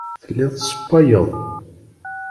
Telliḍ tessewwayeḍ.